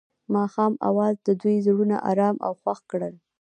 د ماښام اواز د دوی زړونه ارامه او خوښ کړل.